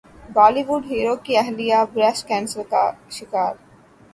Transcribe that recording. بولی would hero کی اہلیہ بریسٹ کینسر کا شکار